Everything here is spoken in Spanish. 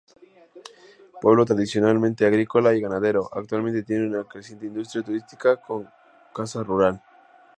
Pueblo tradicionalmente agrícola y ganadero, actualmente tiene una creciente industria turística con casa rural.